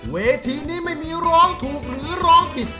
เวทีนี้ไม่มีร้องถูกหรือร้องผิด